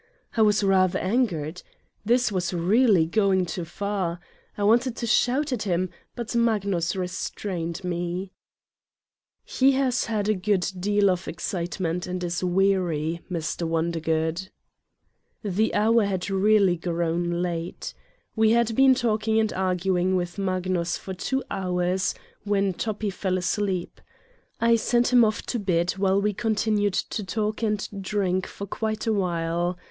I was rather angered. This was really going too far. I wanted to shout at him, but Mag nus restrained me : "He has had a good deal of excitement and is weary, Mr. Wondergood." The hour had really grown late. We had been talking and arguing with Magnus for two hours when Toppi fell asleep. I sent him off to bed while we continued to talk and drink for quite a while.